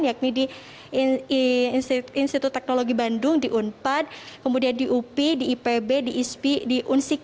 yakni di institut teknologi bandung di unpad kemudian di up di ipb di ispi